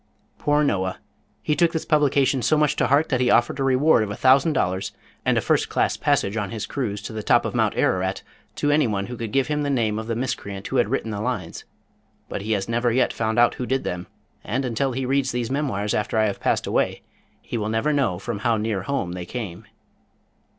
Poor Noah! He took this publication so much to heart that he offered a reward of a thousand dollars, and a first class passage on his cruise to the top of Mount Ararat to any one who could give him the name of the miscreant who had written the lines, but he has never yet found out who did them, and until he reads these memoirs after I have passed away, he will never know from how near home they came.